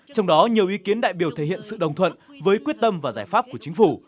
trong đó nhiều ý kiến đại biểu thể hiện sự đồng thuận với quyết tâm và giải pháp của chính phủ